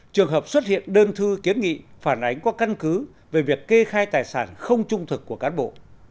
trường hợp xuất hiện đơn thư kiến nghị phản ánh có căn cứ về việc kê khai tài sản không trung thực của cán bộ